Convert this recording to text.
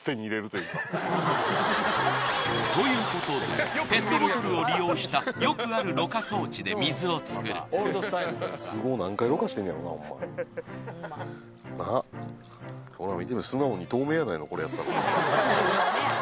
ということでペットボトルを利用したよくあるろ過装置で水をつくるなあほら